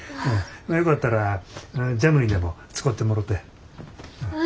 よかったらジャムにでも使てもろて。